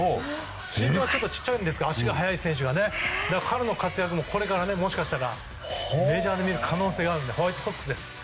身長は小さいんですが足が速いので彼の活躍も、これからメジャーで見る可能性があるのでホワイトソックスです。